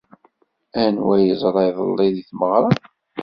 Anwa ay teẓra iḍelli deg tmeɣra?